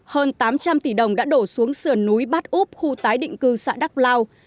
hơn tám trăm linh tỷ đồng đã đổ xuống sườn núi bát úp khu tái định cư xã đắk lao